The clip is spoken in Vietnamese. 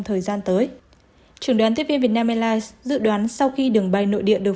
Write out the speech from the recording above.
thời gian tới trường đoàn tiếp viên việt nam airlines dự đoán sau khi đường bay nội địa được